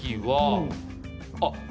あ！